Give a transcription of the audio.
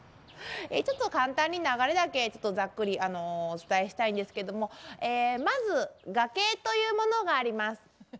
ちょっと簡単に流れだけざっくりお伝えしたいんですけどもまず崖というものがあります。